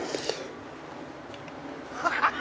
「ハハハハ！